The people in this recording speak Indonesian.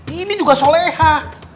ini juga solehah